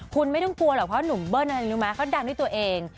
คุณไม่ต้องกลัวหรอกเพราะหนุ่มเบิ้ลอะไรรู้ไหมเขาดังด้วยตัวเอง